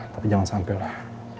tapi jangan sampel lah